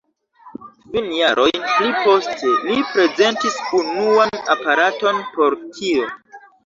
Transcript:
Kvin jarojn pli poste, li prezentis unuan aparaton por tio.